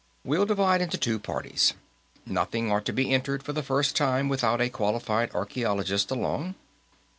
We'll divide into two parties. Nothing ought to be entered for the first time without a qualified archaeologist along.